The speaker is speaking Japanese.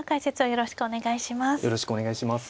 よろしくお願いします。